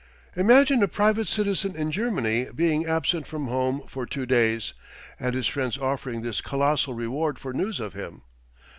Imagine a private citizen in Germany being absent from home for two days, and his friends offering this colossal reward for news of him.